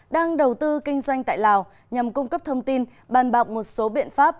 đang đầu tư kinh doanh tại lào nhằm cung cấp thông tin bàn bạc một số biện pháp